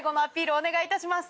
お願いいたします。